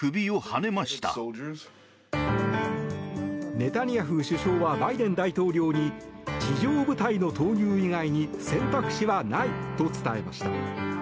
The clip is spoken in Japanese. ネタニヤフ首相はバイデン大統領に地上部隊の投入以外に選択肢はないと伝えました。